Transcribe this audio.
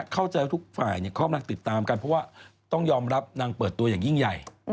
เข้าใจว่าทุกฝ่ายเขากำลังติดตามกันเพราะว่าต้องยอมรับนางเปิดตัวอย่างยิ่งใหญ่